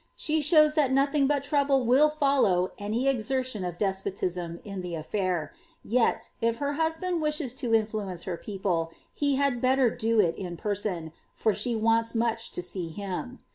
She shows that nothing but trouble will follow any exertion of despotism in the aduir ; yet, if her husband wishes to influence her people, he had better do it in person, for she wants much to see him.